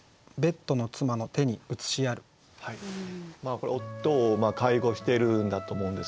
これ夫を介護してるんだと思うんですけどね